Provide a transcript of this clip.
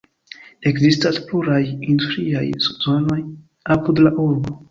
Ekzistas pluraj industriaj zonoj apud la urbo.